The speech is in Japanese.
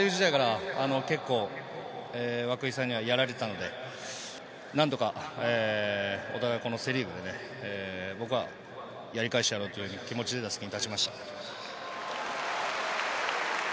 パ・リーグ時代から結構、涌井さんにはやられていたので、何とかお互いセ・リーグで、僕はやり返してやろうという気持ちで打席に立ちました。